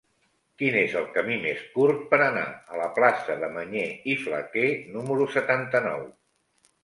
Quin és el camí més curt per anar a la plaça de Mañé i Flaquer número setanta-nou?